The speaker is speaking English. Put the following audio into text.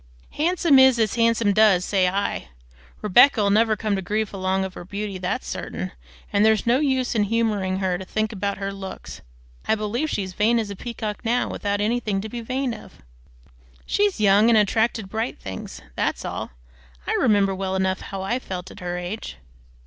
"'Handsome is as handsome does,' say I. Rebecca never'll come to grief along of her beauty, that's certain, and there's no use in humoring her to think about her looks. I believe she's vain as a peacock now, without anything to be vain of." "She's young and attracted to bright things that's all. I remember well enough how I felt at her age."